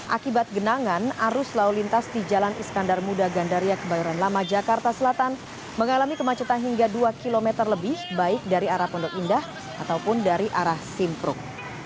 akibat genangan arus lalu lintas di jalan iskandar muda gandaria kebayoran lama jakarta selatan mengalami kemacetan hingga dua km lebih baik dari arah pondok indah ataupun dari arah simpruk